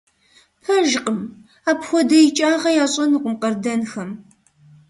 Пэжкъым! Апхуэдэ икӀагъэ ящӀэнукъым къардэнхэм!